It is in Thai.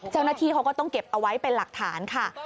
เจ้าหน้าที่เขาก็ต้องเก็บเอาไว้เป็นหลักฐานค่ะ